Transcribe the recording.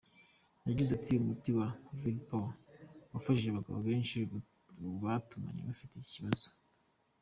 Yagize ati" Umuti wa Vigpower wafashije abagabo benshi batugannye bafite iki kibazo.